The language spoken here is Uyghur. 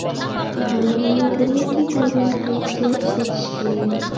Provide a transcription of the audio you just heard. بۇنىڭدىمۇ بىرلىككە كەلگەن فۇنكسىيە ئىشلىتىش كېرەك.